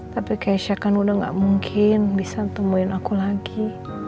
tapi keisha kan udah gak mungkin bisa temuin aku lagi